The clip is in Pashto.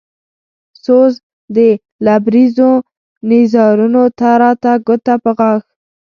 سوز د لبرېزو نيزارونو راته ګوته په غاښ